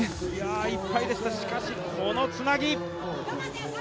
いっぱいでした、しかしこのつなぎ！